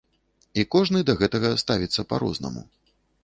І кожны да гэтага ставіцца па-рознаму.